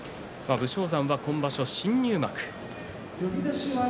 武将山は今場所新入幕です。